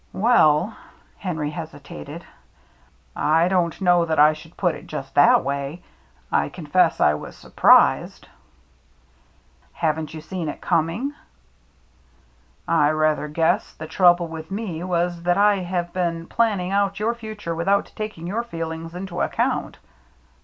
"Well," Henry hesitated, "I don't know that I should put it just that way. I confess ' I was surprised." " Haven't you seen it coming ?"" I rather guess the trouble with me was that I have been planning out your future without taking your feelings into account."